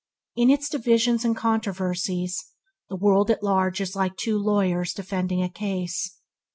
In its divisions and controversies the world at large is like two lawyers defending a case.